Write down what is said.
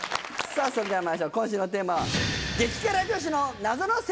それではまいりましょう今週のテーマは。